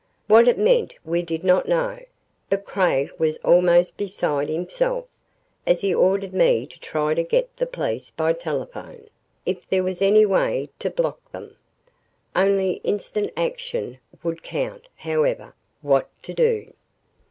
What it meant we did not know. But Craig was almost beside himself, as he ordered me to try to get the police by telephone, if there was any way to block them. Only instant action would count, however. What to do?